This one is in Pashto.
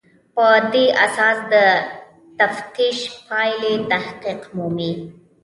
په دې اساس د تفتیش پایلې تحقق مومي.